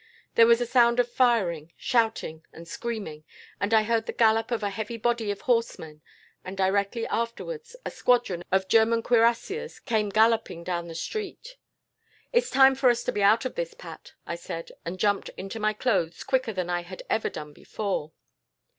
There was a sound of firing, shouting, and screaming, and I heard the gallop of a heavy body of horsemen, and, directly afterwards, a squadron of German cuirassiers came galloping down the street. "'It is time for us to be out of this, Pat,' I said, and jumped into my clothes, quicker than I had ever done before.